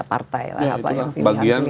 partai lah yang pilihan pilihan